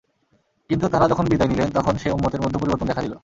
কিন্তু তাঁরা যখন বিদায় নিলেন, তখন সে উম্মতের মধ্যেও পরিবর্তন দেখা দিল।